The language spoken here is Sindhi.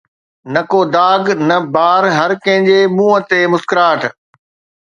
نه ڪو داغ، نه بار، هر ڪنهن جي منهن تي مسڪراهٽ.